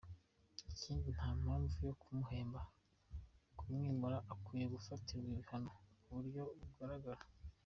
Ikindi nta mpamvu yo kumuhemba kumwimura, akwiye gufatirwa ibihano ku buryo bugaragara.